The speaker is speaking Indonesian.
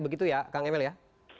begitu ya kang emil ya